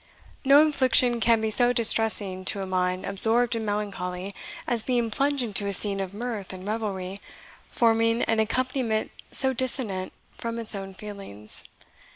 No infliction can be so distressing to a mind absorbed in melancholy, as being plunged into a scene of mirth and revelry, forming an accompaniment so dissonant from its own feelings.